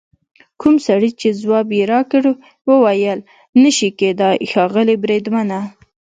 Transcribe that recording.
کوم سړي چې ځواب یې راکړ وویل: نه شي کېدای ښاغلي بریدمنه.